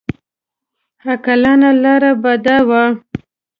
عاقلانه لاره به دا وه.